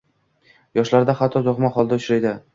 Yoshlarda hatto tug‘ma holda uchraydi.